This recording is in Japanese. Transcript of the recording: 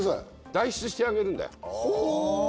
代筆してあげるんだよほう！